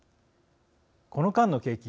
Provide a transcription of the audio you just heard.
この間の景気